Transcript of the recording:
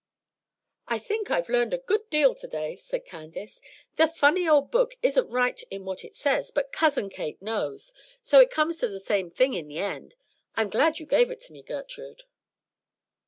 "I think I've learned a good deal to day," said Candace. "The funny old book isn't right in what it says, but Cousin Kate knows; so it comes to the same thing in the end. I'm glad you gave it to me, Gertrude."